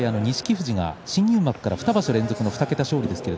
富士が新入幕から２場所連続の２桁勝利。